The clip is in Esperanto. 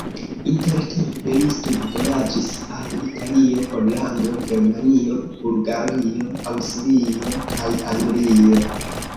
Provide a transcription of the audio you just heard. Intertempe li studvojaĝis al Italio, Pollando, Germanio, Bulgario, Aŭstrio kaj Anglio.